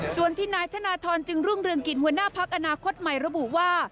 ส่วนที่นายธนทรจึงรุ่งเรืองกิจหัวหน้าพักอนาคตใหม่ระบุว่า